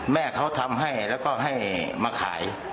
แม่เขาทำให้แล้วก็ให้มาขาย